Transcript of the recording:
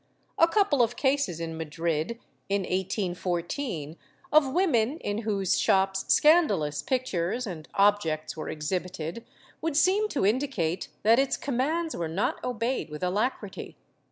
A couple of cases in Madrid, in 1814, of women in whose shops scandalous pictures and objects were exhibited, would seem to indicate that its commands were not obeyed with alacrity.